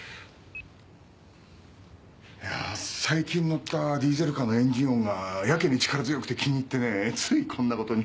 最近乗ったディーゼルカーのエンジン音がやけに力強くて気に入ってねついこんなことに。